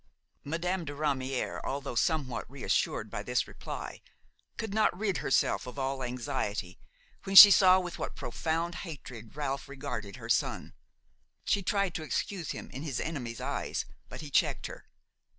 Madame de Ramière, although somewhat reassured by this reply, could not rid herself of all anxiety when she saw with what profound hatred Ralph regarded her son. She tried to excuse him in his enemy's eyes, but he checked her.